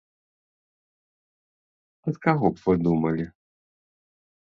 Ад каго б вы думалі?